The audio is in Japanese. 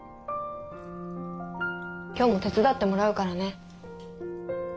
今日も手伝ってもらうからね。